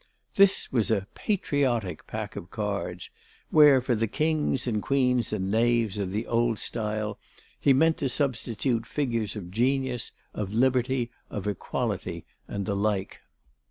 This was a "patriotic" pack of cards, where for the kings and queens and knaves of the old style he meant to substitute figures of Genius, of Liberty, of Equality and the like.